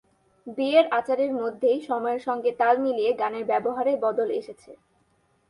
বিয়ের আচারের মধ্যেই সময়ের সঙ্গে তাল মিলিয়ে গানের ব্যবহারে বদল এসেছে।